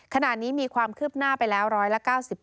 ขณะนี้มีความคืบหน้าไปแล้วร้อยละ๙๘